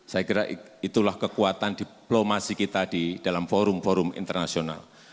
saya kira itulah kekuatan diplomasi kita di dalam forum forum internasional